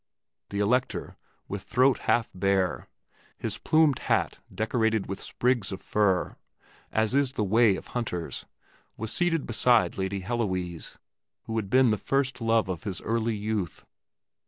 The Elector, with throat half bare, his plumed hat decorated with sprigs of fir, as is the way of hunters, was seated beside Lady Heloise, who had been the first love of his early youth.